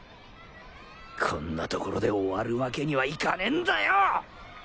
こんな所で終わるワケにはいかねぇんだよ！